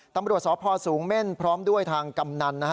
ตำรวจสพสูงเม่นพร้อมด้วยทางกำนันนะฮะ